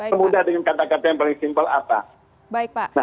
semudah dengan kata kata yang paling simpel apa